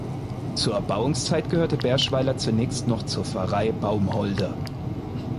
Zur Erbauungszeit gehörte Berschweiler zunächst noch zur Pfarrei Baumholder.